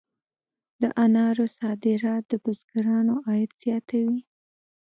د انارو صادرات د بزګرانو عاید زیاتوي.